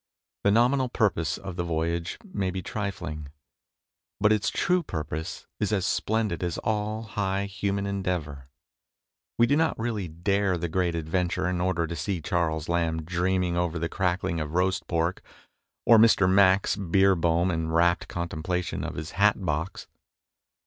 The nominal purpose of the voyage may be trifling ; but its true pur pose is as splendid as all high human en deavour. We do not really dare the great adventure in order to see Charles Lamb dreaming over the crackling of roast pork, or Mr. Max Beerbohm in rapt contemplation of his hat box.